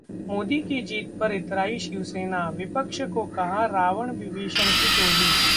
मोदी की जीत पर इतराई शिवसेना, विपक्ष को कहा रावण विभीषण की टोली